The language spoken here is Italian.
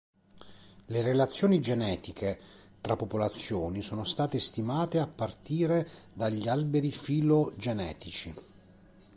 Le relazioni genetiche tra popolazioni sono state stimate a partire dagli alberi filogenetici.